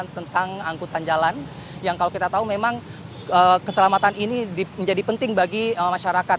tentang angkutan jalan yang kalau kita tahu memang keselamatan ini menjadi penting bagi masyarakat